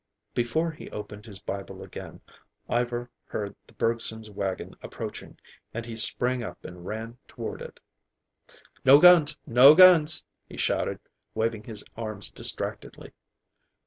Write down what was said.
Before he opened his Bible again, Ivar heard the Bergsons' wagon approaching, and he sprang up and ran toward it. "No guns, no guns!" he shouted, waving his arms distractedly.